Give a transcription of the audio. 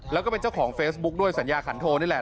แล้วก็เป็นเจ้าของเฟซบุ๊คด้วยสัญญาขันโทนี่แหละ